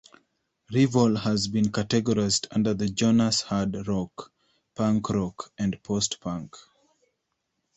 "Revol" has been categorized under the genres hard rock, punk rock and post-punk.